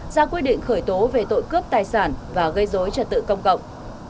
ra quyết định khởi tố về tội cướp tài sản và gây dối trật tự công cộng